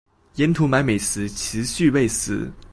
沿途買美食持續餵食